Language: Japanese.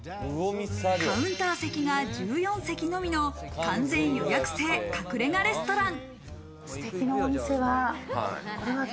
カウンター席が１４席のみの完全予約制、隠れ家レストラン。